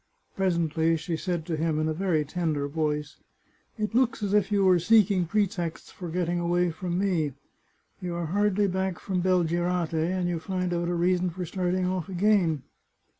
Presently she said to him in a very tender voice :" It looks as if you were seek ing pretexts for getting away from me ; you are hardly back from Belgirate, and you find out a reason for starting off again."